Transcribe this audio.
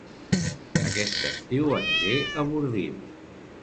Aquest estiu aniré a Bordils